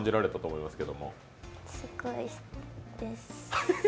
いやすごいです。